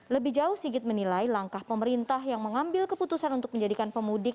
lebih jauh sigit menilai langkah pemerintah yang mengambil keputusan untuk menjadikan pemudik